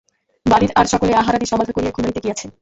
বাড়ির আর সকলে আহারাদি সমাধা করিয়া ঘুমাইতে গিয়াছে।